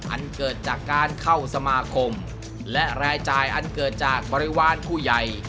อันเกิดจากการเข้าสมาคมและรายจ่ายอันเกิดจากบริวารผู้ใหญ่